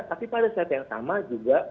tapi pada saat yang sama juga